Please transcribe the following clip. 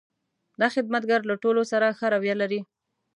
دا خدمتګر له ټولو سره ښه رویه لري.